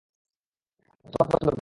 আমি তোমাকে পছন্দ করি।